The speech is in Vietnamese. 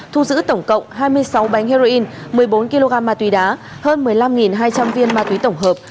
thu giữ tổng cộng hai mươi sáu bánh heroin một mươi bốn kg mặt tuy đá hơn một mươi năm hai trăm linh viên mặt tuy tổng hợp